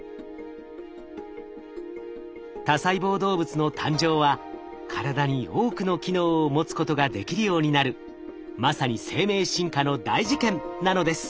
多細胞動物の誕生は体に多くの機能を持つことができるようになるまさに生命進化の大事件なのです。